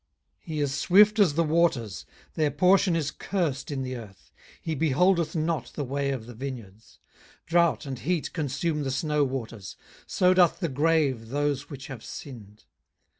18:024:018 He is swift as the waters; their portion is cursed in the earth: he beholdeth not the way of the vineyards. 18:024:019 Drought and heat consume the snow waters: so doth the grave those which have sinned.